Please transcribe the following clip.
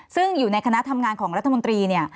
ซึ่งอยู่ในคณะทำงานของรัฐมนตรี